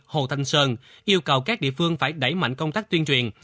hồ thanh sơn yêu cầu các địa phương phải đẩy mạnh công tác tuyên truyền